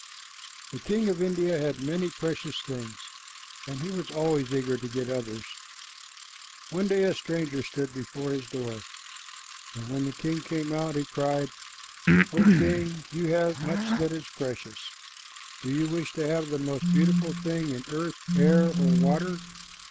The king of India had many precious things, and he was always eager to get others. One day a stranger stood before his door, and when the king came out he cried, "O king, you have much that is precious. Do you wish to have the most beautiful thing in earth, air, or water?"